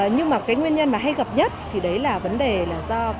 nhưng mà cái nguyên nhân mà hay gặp nhất thì đấy là vấn đề là do